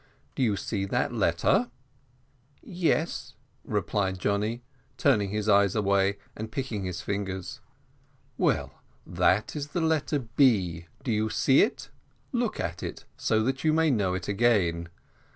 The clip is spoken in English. "Do you see that letter?" "Yes," replied Johnny, turning his eyes away, and picking his fingers. "Well, that is the letter B. Do you see it? Look at it, so that you may know it again.